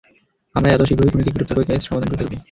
আমরা এতো শীঘ্রই খুনিকে গ্রেপ্তার করে কেস সমাধান করে ফেলব।